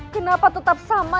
kenapa tetap sama